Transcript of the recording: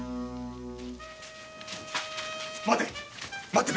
待て！